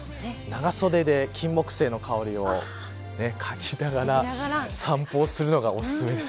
長袖で金木犀の香りをかぎながら散歩をするのがおすすめです。